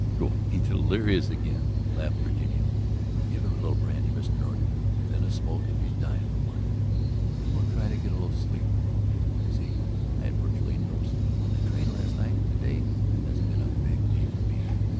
..." "Growing delirious again," laughed Virginia. "Give him a little brandy, Mr. Norton. Then a smoke if he's dying for one. Then we'll try to get a little sleep, all of us. You see, I had virtually no sleep on the train last night and to day has been a big day for me.